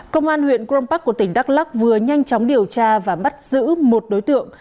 công an huyện crom park của tỉnh đắk lắc vừa nhanh chóng điều tra và bắt giữ một đối tượng